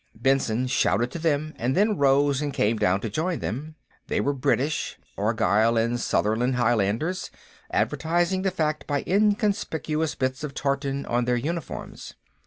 Benson shouted to them, and then rose and came down to join them. They were British Argyle and Sutherland Highlanders, advertising the fact by inconspicuous bits of tartan on their uniforms.